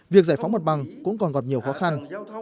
việc giải phóng mật bằng cũng còn gọt nhiều khó khăn